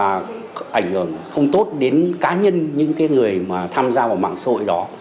và ảnh hưởng không tốt đến cá nhân những cái người mà tham gia vào mạng xã hội đó